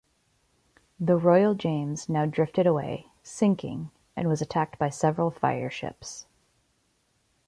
The "Royal James" now drifted away, sinking, and was attacked by several fire ships.